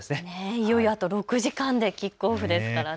いよいよあと６時間でキックオフですからね。